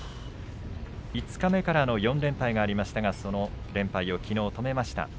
五日目からの４連敗がありましたがその連敗をきのう止めました。